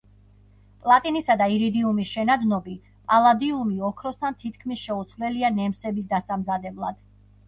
პლატინისა და ირიდიუმის შენადნობი, პალადიუმი ოქროსთან თითქმის შეუცვლელია ნემსების დასამზადებლად.